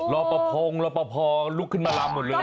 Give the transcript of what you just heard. ละปอพองละปอภองลุกขึ้นมาลำหมดเลย